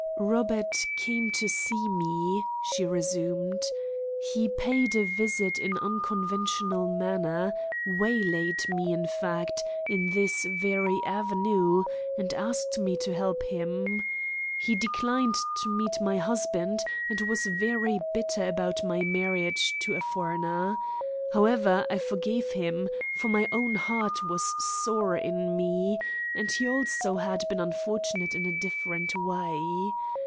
"Robert came to see me," she resumed. "He paid a visit in unconventional manner waylaid me, in fact, in this very avenue, and asked me to help him. He declined to meet my husband, and was very bitter about my marriage to a foreigner. However, I forgave him, for my own heart was sore in me, and he also had been unfortunate in a different way.